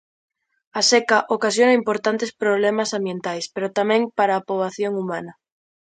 A seca ocasiona importantes problemas ambientais pero tamén para a poboación humana.